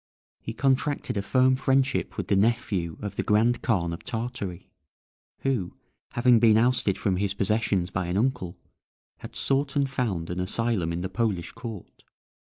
He contracted a firm friendship with the nephew of the Grand Khan of Tartary, who, having been ousted from his possessions by an uncle, had sought and found an asylum in the Polish court.